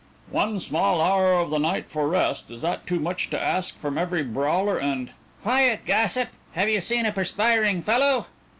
"One small hour of the night for rest. Is that too much to ask from every brawler and " "Quiet, gossip! Have you seen a perspiring fellow?"